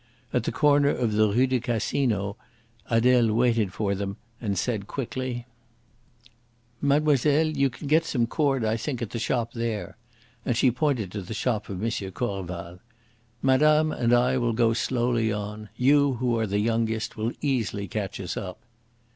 At the corner of the Rue du Casino Adele waited for them and said quickly: "Mademoiselle, you can get some cord, I think, at the shop there," and she pointed to the shop of M. Corval. "Madame and I will go slowly on; you, who are the youngest, will easily catch us up."